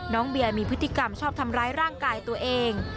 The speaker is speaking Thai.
เบียร์มีพฤติกรรมชอบทำร้ายร่างกายตัวเอง